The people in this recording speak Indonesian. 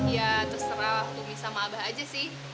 ya terserah ummi sama abah aja sih